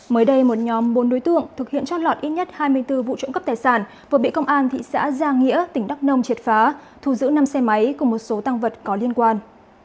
mới đây một nhóm bốn đối tượng thực hiện trót lọt ít nhất hai mươi bốn vụ trộm cắp tài sản vừa bị công an thị xã gia nghĩa tỉnh đắk nông triệt phá thù giữ năm xe máy cùng một số tăng vật có liên quan